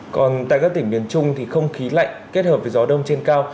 còn tại các tỉnh miền trung thì không khí lạnh kết hợp với gió đông trên cao